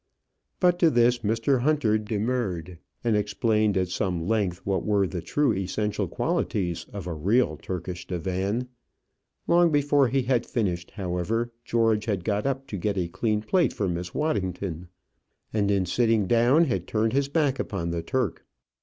But to this Mr. Hunter demurred, and explained at some length what were the true essential qualities of a real Turkish divan: long before he had finished, however, George had got up to get a clean plate for Miss Waddington, and in sitting down had turned his back upon the Turk.